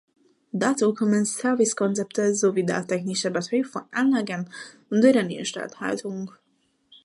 Dazu kommen Service-Konzepte sowie der technische Betrieb von Anlagen und deren Instandhaltung.